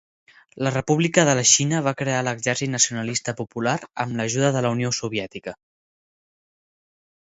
La República de la Xina va crear l'exèrcit nacionalista popular amb l'ajuda de la Unió Soviètica.